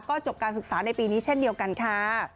จบการศึกษาในปีนี้เช่นเดียวกันค่ะ